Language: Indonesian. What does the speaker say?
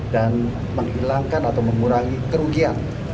dan menghilangkan atau mengurangi kerugian